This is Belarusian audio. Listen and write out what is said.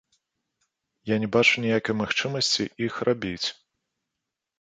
Я не бачу ніякай магчымасці іх рабіць.